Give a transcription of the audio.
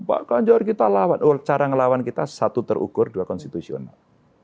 pak kanjar cara melawan kita satu terukur dua konstitusional